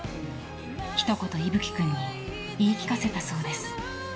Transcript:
ひと言、ｉｖｕ鬼君に言い聞かせたそうです。